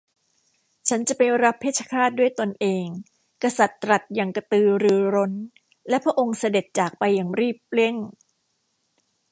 ฉันจะไปรับเพชฌฆาตด้วยตนเอง กษัตริย์ตรัสอย่างกระตือรือร้น และพระองค์เสด็จจากไปอย่างรีบเร่ง